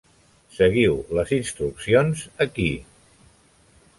Seguiu les instruccions aquí.